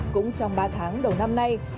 cũng trong ba tháng đầu năm nay